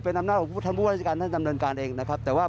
เป็นนำนาจของผู้วัดิกัรท่านทำดนการเอกนะครับแต่ว่า